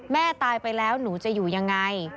ตายไปแล้วหนูจะอยู่ยังไง